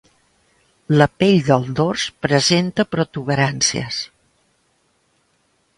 La pell del dors presenta protuberàncies.